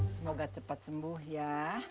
semoga cepet sembuh ya